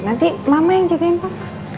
nanti mama yang jagain papa